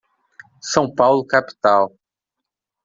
São Paulo capital.